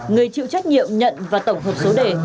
người chịu trách nhiệm nhận và tổng hợp số đề